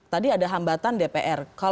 tadi ada hambatan dpr